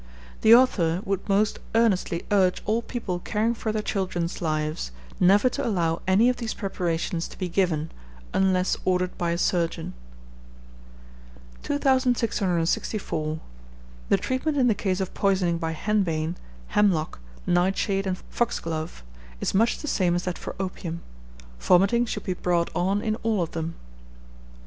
The author would most earnestly urge all people caring for their children's lives, never to allow any of these preparations to be given, unless ordered by a surgeon. 2664. The treatment in the case of poisoning by Henbane, Hemlock, Nightshade, and Foxglove, is much the same as that for opium. Vomiting should be brought on in all of them.